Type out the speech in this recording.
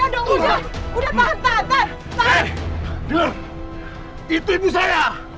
dengar itu ibu saya